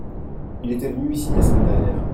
Il était venu ici la semaine dernière.